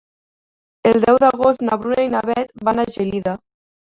El deu d'agost na Bruna i na Beth van a Gelida.